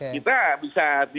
kita bisa masih dalam negara